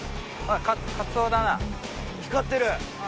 光ってる。